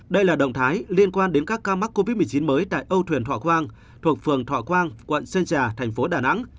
đây là động thái liên quan đến các ca mắc covid một mươi chín mới tại âu thuyền thọ quang thuộc phường thọ quang quận sơn trà thành phố đà nẵng